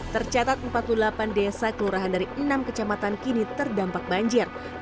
tercatat empat puluh delapan desa kelurahan dari enam kecamatan kini terdampak banjir